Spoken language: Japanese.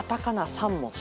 ３文字。